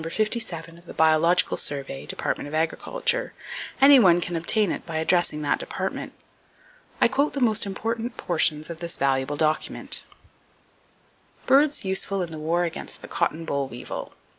57 of the Biological Survey, Department of Agriculture. Any one can obtain it by addressing that Department. I quote the most important portions of this valuable document: Birds Useful In The War Against The Cotton Boll Weevil.